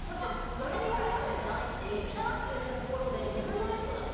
誰にも見られてないし汚くしたところで自分のベッドだし。